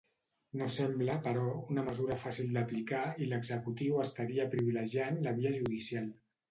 No sembla, però, una mesura fàcil d'aplicar i l'executiu estaria privilegiant la via judicial.